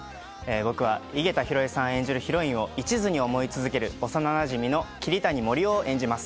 僕は井桁弘恵さん演じるヒロインを一途に思い続ける幼なじみの桐谷森生を演じます